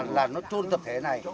là nó trôn tập thể này